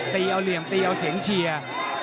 เอาเหลี่ยมตีเอาเสียงเชียร์